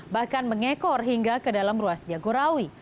bahkan mengekor hingga ke dalam ruas jagorawi